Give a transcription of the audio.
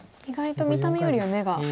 意外と見た目よりは眼が。